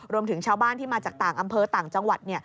รวมถึงชาวบ้านที่มาจากต่างอำเภอต่างจังหวัด